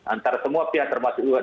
antara semua pihak terbang